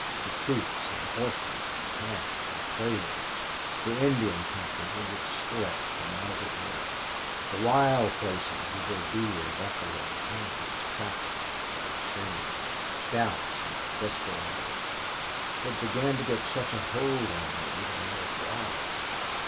The troops and horses and camps and trails the Indian country with its threats from out of the air the wild places with their deer, buffalo, panthers, trappers like Slingerland, scouts, and desperadoes. It began to get such a hold on me that I was wild.